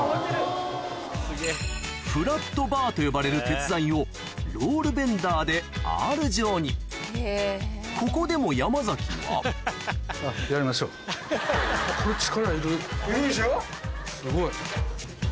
・フラットバーと呼ばれる鉄材をロールベンダーでアール状にここでも山崎はすごい。